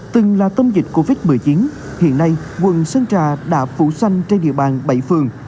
từng là tâm dịch covid một mươi chín hiện nay quận sơn trà đã phủ xanh trên địa bàn bảy phường